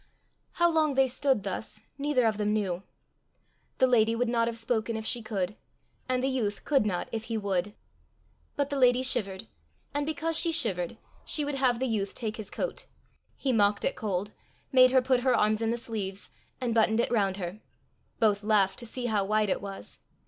How long they stood thus, neither of them knew. The lady would not have spoken if she could, and the youth could not if he would. But the lady shivered, and because she shivered, she would have the youth take his coat. He mocked at cold; made her put her arms in the sleeves, and buttoned it round her: both laughed to see how wide it was.